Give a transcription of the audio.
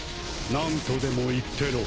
何とでも言ってろ。